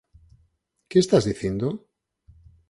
Que estás dicindo?